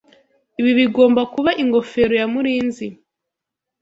Ibi bigomba kuba ingofero ya Murinzi.